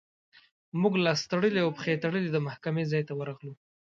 موږ لاس تړلي او پښې تړلي د محکمې ځای ته ورغلو.